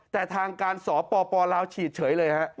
แต่ทางการสอปอปอลาวฉีดเฉยเลย